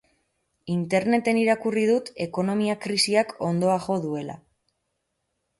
Interneten irakurri dut ekonomia krisiak hondoa jo duela.